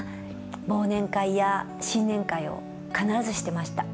忘年会や新年会を必ずしてました。